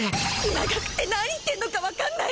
長くて何言ってんのかわかんない！